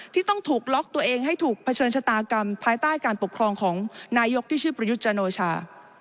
ที่ต้องถูกล็อกตัวเองให้ถูกเผชิญชะตากรรมภายใต้การปกครองของนายกที่ชื่อประยุทธ์จันโอชา